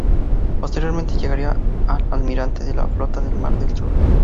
Posteriormente llegaría a almirante de la Flota del Mar del Sur.